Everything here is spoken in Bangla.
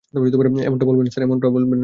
এমনটা বলবেন না, স্যার।